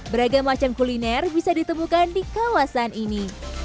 beragam macam kuliner bisa ditemukan di kawasan ini